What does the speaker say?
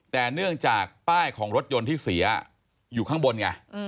แต่เนื่องจากป้ายของรถยนต์ที่เสียอยู่ข้างบนไง